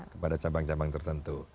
kepada cabang cabang tertentu